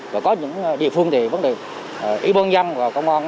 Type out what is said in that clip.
và có những địa phương thì vấn đề ý bôn dân và công an